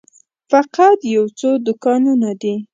فقط یو څو دوکانونه دي.